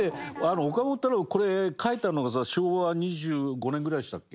岡本太郎がこれ描いたのが昭和２５年ぐらいでしたっけ。